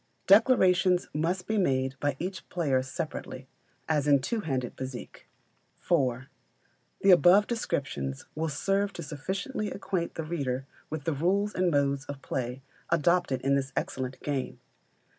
Declarations must be made by each player separately, as in two handed bézique. iv. The above descriptions will serve to sufficiently acquaint the reader with the rules and modes of play adopted in this excellent game.